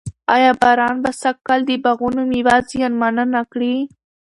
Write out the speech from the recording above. آیا باران به سږ کال د باغونو مېوه زیانمنه نه کړي؟